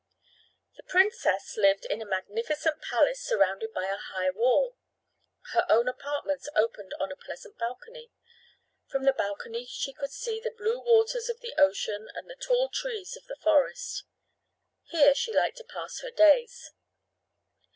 This princess lived in a magnificent palace surrounded by a high wall. Her own apartments opened upon a pleasant balcony. From the balcony she could see the blue waters of the ocean and the tall trees of the forest. Here she liked to pass her days.